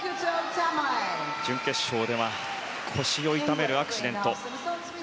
準決勝では腰を痛めるアクシデント。